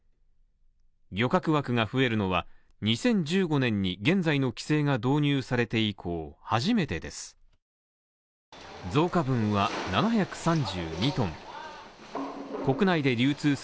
漁獲枠が増えるのは、２０１５年に現在の規制が導入されて以降初めてです。